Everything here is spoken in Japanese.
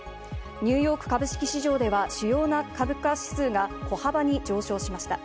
ニューヨーク株式市場では主要な株価指数が小幅に上昇しました。